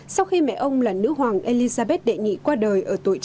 sau khi mẹ ông là nữ hoàng elizabeth đệ nhị qua đời ở tuổi chín mươi sáu